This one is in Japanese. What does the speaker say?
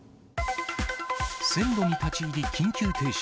線路に立ち入り緊急停車。